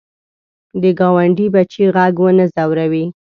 د ګاونډي بچي غږ ونه ځوروې